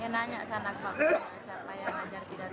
nanya sana kok siapa yang belajar pidato